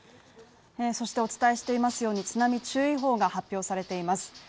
そしてお伝えしていますように津波注意報が発表されています